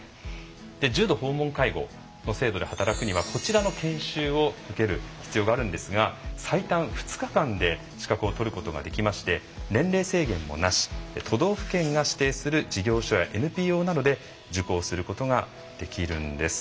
重度訪問介護の制度で働くにはこちらの研修を受ける必要があるんですが最短２日間で資格を取ることができまして年齢制限もなし都道府県が指定する事業所やＮＰＯなどで受講することができるんです。